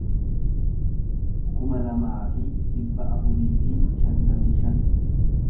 kuma lamaa fi dhibba afurii fi shantamii shan